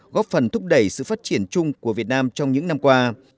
góp phần thúc đẩy sự phát triển chung của việt nam trong những năm qua